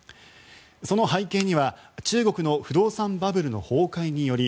その背景には中国の不動産バブルの崩壊により